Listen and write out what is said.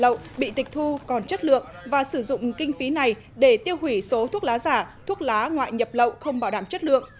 thuốc lá ngoại nhập lậu bị tịch thu còn chất lượng và sử dụng kinh phí này để tiêu hủy số thuốc lá giả thuốc lá ngoại nhập lậu không bảo đảm chất lượng